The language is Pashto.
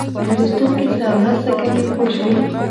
د لوستونکي سره مرسته کوي پوه شوې!.